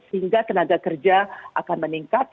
sehingga tenaga kerja akan meningkat